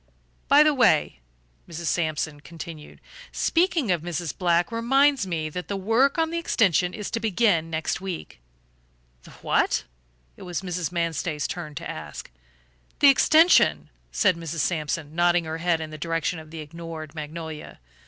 "By the way," Mrs. Sampson continued, "speaking of Mrs. Black reminds me that the work on the extension is to begin next week." "The what?" it was Mrs. Manstey's turn to ask. "The extension," said Mrs. Sampson, nodding her head in the direction of the ignored magnolia.